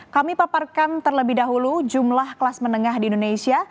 kami paparkan terlebih dahulu jumlah kelas menengah di indonesia